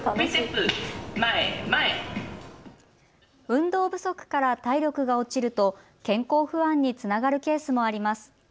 運動不足から体力が落ちると健康不安につながるケースもあります。